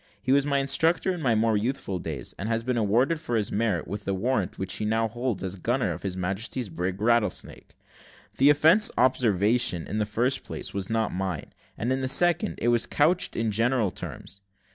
He was my instructor in my more youthful days, and has been rewarded for his merit, with the warrant which he now holds as gunner of His Majesty's brig; Rattlesnake. The offensive observation, in the first place was not mine; and, in the second, it was couched in general terms.